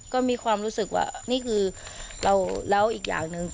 ก็มีความรู้สึกว่านี่คือเราแล้วอีกอย่างหนึ่ง